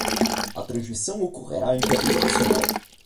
A transmissão ocorrerá em cadeia nacional